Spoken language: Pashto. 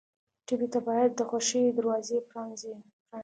ټپي ته باید د خوښیو دروازې پرانیزو.